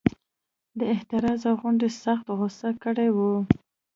د اعتراضیه غونډې سخت غوسه کړي وو.